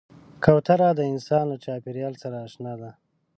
کوتره د انسان له چاپېریال سره اشنا ده.